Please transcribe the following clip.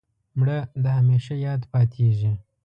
مړه د همېشه یاد پاتېږي